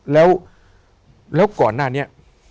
แล้วก่อนหน้านี้